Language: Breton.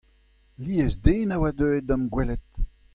Lies den a oa deuet da'm gwelet.